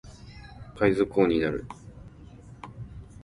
海賊王になる